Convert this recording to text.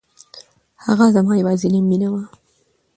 هغه زما يوازينی مینه وه.